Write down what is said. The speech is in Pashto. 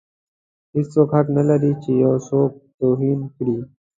هیڅوک حق نه لري چې یو څوک توهین کړي.